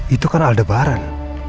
itu kan aldebaran